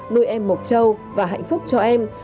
nuôi em một trâu và hạnh phúc cho em